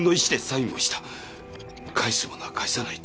返すものは返さないと。